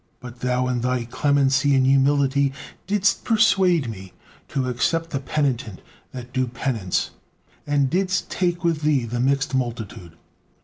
But thou in thy clemency and humility didst persuade Me to accept the penitent that do penance, and didst take with thee the mixed multitude.